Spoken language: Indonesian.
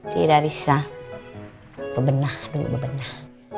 tidak bisa bebenah dulu bebenah